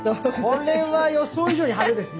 これは予想以上に派手ですね。